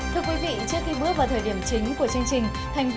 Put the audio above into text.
thưa quý vị trước khi bước vào thời điểm chính của chương trình